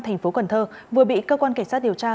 tp quần thơ vừa bị cơ quan cảnh sát điều tra